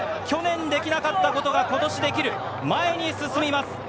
去年できなかったことが、ことしできる、前に進みます。